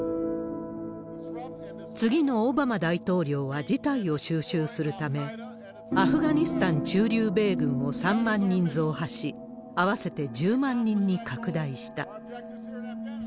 次のオバマ大統領は事態を収拾するため、アフガニスタン駐留米軍を３万人増派し、合わせて１０万人に拡大した。